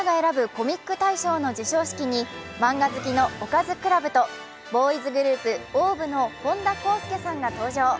コミック大賞の授賞式に、漫画好きのおかずクラブとボーイズグループ・ＯＷＶの本田康祐さんが登場。